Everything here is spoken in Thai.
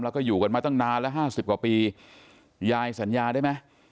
แล้วก็อยู่กันมาตั้งนานแล้วห้าสิบกว่าปียายสัญญาได้ไหม